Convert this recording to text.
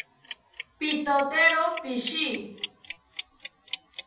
Pitotero pishi